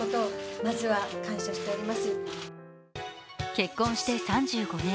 結婚して３５年。